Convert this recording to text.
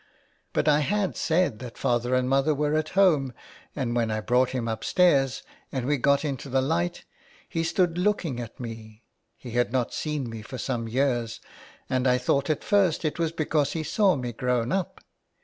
But I had said that father and mother were at home, and when I brought him upstairs and we got into the light, he stood looking at me. He had not seen me for some years, and I thought at first it was because he saw me grown up.